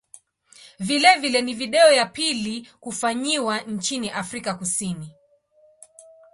Vilevile ni video ya pili kufanyiwa nchini Afrika Kusini.